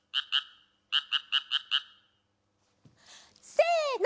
せの。